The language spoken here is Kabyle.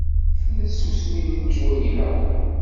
Tella tsusmi deg lejwayeh-a.